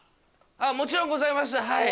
もちろんございますはい。